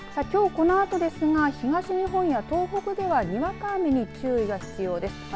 きょうこのあとですが、東日本や東北ではにわか雨に注意が必要です。